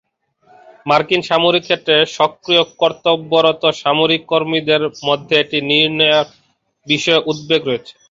মার্কিন সামরিক ক্ষেত্রে সক্রিয় কর্তব্যরত সামরিক কর্মীদের মধ্যে এটি নির্ণয়ের বিষয়ে উদ্বেগ রয়েছে।